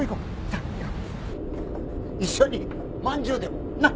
一緒にまんじゅうでもなっ。